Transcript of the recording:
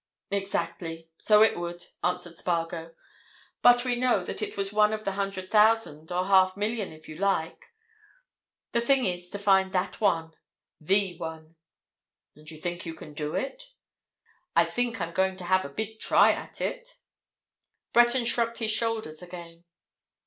"Exactly—so it would," answered Spargo. "But we know that it was one of the hundred thousand, or half million, if you like. The thing is to find that one—the one." "And you think you can do it?" "I think I'm going to have a big try at it." Breton shrugged his shoulders again.